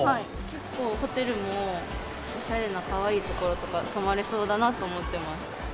結構ホテルもおしゃれなかわいい所とか泊まれそうだなと思ってます。